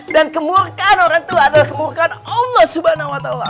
dan kemurkaan orang tua adalah kemurkaan allah subhanahu wa ta'ala